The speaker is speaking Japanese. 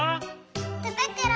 てぶくろ！